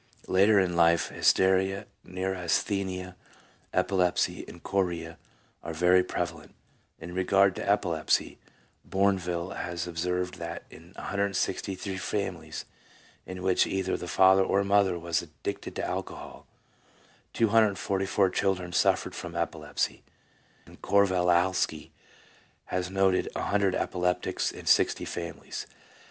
Later in life hysteria, neurasthenia, epilepsy, and chorea are very prevalent. In regard to epilepsy, Bournville has observed that in 163 families in which either the father or mother was addicted to alcohol, 244 children suffered from epilepsy; and Kovelawski has noted 100 epileptics in 60 families.